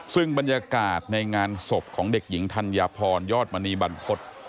ซึ่งบรรยากาศในงานศพของเด็กหญิงธัญพรยอดมณีบรรพฤษ